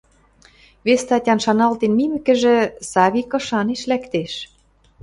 Вес статян шаналтен мимӹкӹжӹ, Савик ышанеш лӓктеш.